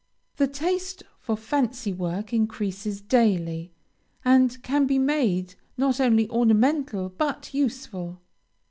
The taste for fancy work increases daily, and can be made not only ornamental, but useful.